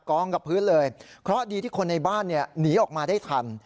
กองกับพื้นเลยเพราะดีที่คนในบ้านหนีออกมาได้ทัน